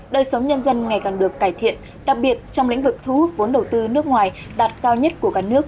đời sống nhân dân ngày càng được cải thiện đặc biệt trong lĩnh vực thu hút vốn đầu tư nước ngoài đạt cao nhất của cả nước